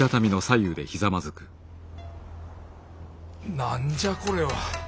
何じゃこれは。